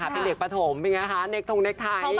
เป็นเหล็กประถมเล็กทรงเล็กไทย